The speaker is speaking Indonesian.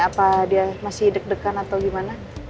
apa dia masih deg degan atau gimana